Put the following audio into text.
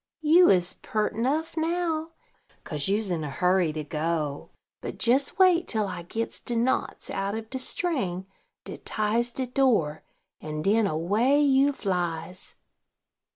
you is peart nuff now, kase you's in a hurry to go; but jes wait till I gits de knots out of de string dat ties de door, and den away you flies."